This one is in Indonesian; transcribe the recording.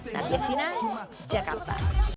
nadia shina jakarta